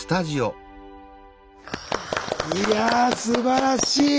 いやすばらしい！